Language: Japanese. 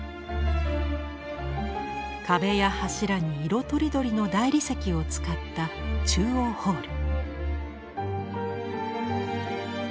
壁や柱に色とりどりの大理石を使った中央ホール。